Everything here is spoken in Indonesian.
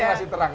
ini masih terang